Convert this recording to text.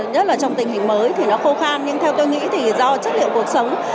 nhất là trong tình hình mới thì nó khô khan nhưng theo tôi nghĩ thì do chất liệu cuộc sống